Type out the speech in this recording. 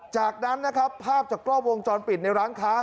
จากนั้นนะครับภาพจากกล้องวงจรปิดในร้านค้า